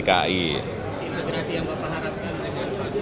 coba ditanyakan ke sana